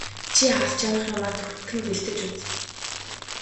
Чи авч явах юмаа түргэхэн бэлдэж үз.